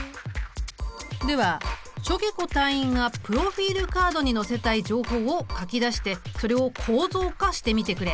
ではしょげこ隊員がプロフィールカードに載せたい情報を書き出してそれを構造化してみてくれ。